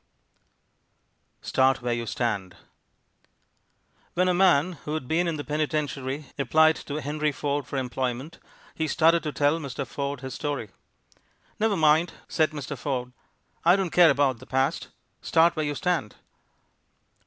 START WHERE YOU STAND When a man who had been in the penitentiary applied to Henry Ford for employment, he started to tell Mr. Ford his story. "Never mind," said Mr. Ford, "I don't care about the past. Start where you stand!"